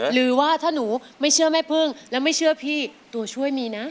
หรือว่าถ้าหนูไม่เชื่อแม่พึ่งแล้วไม่เชื่อพี่ตัวช่วยมีนะ